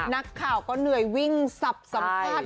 นักข่าวก็เหนื่อยวิ่งสับสัมภาษณ์